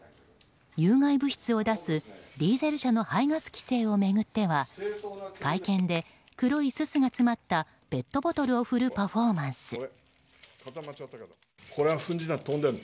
有害物質を出すディーゼル車の排ガス規制を巡っては会見で黒いすすが詰まったペットボトルを振るパフォーマンス。